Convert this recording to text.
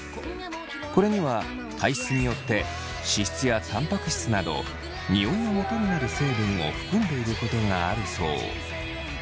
これには体質によって脂質やタンパク質などニオイのもとになる成分を含んでいることがあるそう。